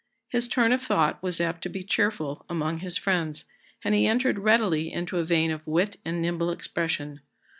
His turn of thought was apt to be cheerful among his friends, and he entered readily into a vein of wit and nimble expression.